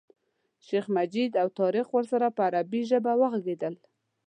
شیخ مجید او طارق ورسره په عربي ژبه وغږېدل.